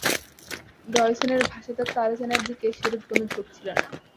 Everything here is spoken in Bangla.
ডয়সনের ভাষাতত্ত্ব আলোচনার দিকে সেরূপ কোন ঝোঁক ছিল না।